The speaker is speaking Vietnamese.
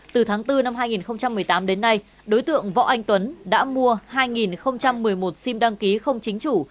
từ tháng bốn năm hai nghìn một mươi tám đến nay đối tượng võ anh tuấn đã mua hai một mươi một sim đăng ký không chính chủ